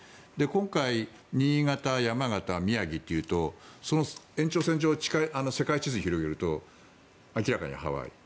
今回、新潟、山形、宮城というとその延長線上世界地図を広げると明らかにハワイ。